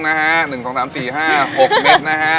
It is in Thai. เป็นลูกชิ้นกุ้งนะคะ๑๒๓๔๕๖เมตรนะฮะ